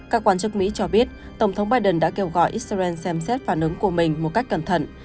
các quan chức mỹ cho biết tổng thống biden đã kêu gọi israel xem xét phản ứng của mình một cách cẩn thận